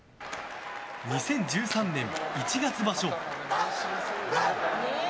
２０１３年１月場所。